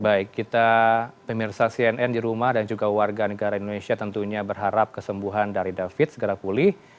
baik kita pemirsa cnn di rumah dan juga warga negara indonesia tentunya berharap kesembuhan dari david segera pulih